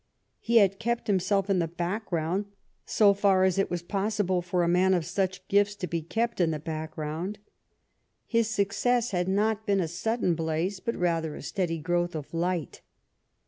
He had kept himself in the background, so far as it was possible for a man of such gifts to be kept in the background; his success had not been a sudden blaze, but rather a steady growth of light.